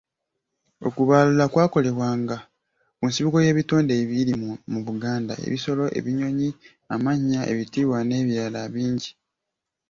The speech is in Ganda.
Okubaaluula kwakolebwanga ku nsibuko y’ebitundu ebiri mu Buganda, ebisolo, ebinyonyi, amannya, ebitiibwa n’ebintu ebirala bingi.